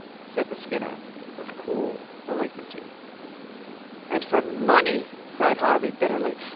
said the Skinner, with cool malignity. "And for money," cried Harvey, bitterly.